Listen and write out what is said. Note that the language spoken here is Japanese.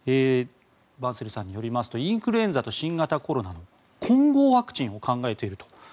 バンセルさんによりますとインフルエンザと新型コロナの混合ワクチンを考えていると。